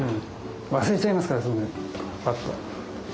忘れちゃいますからすぐぱっと。